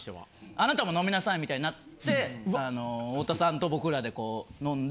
「あなたも飲みなさい」みたいになって太田さんと僕らで飲んで。